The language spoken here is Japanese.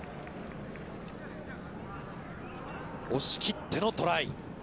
押し切ってのトライ。